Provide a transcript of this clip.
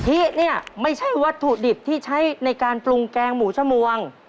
ทิเนี่ยไม่ใช่วัตถุดิบที่ใช้ในการปรุงแกงหมูชมวง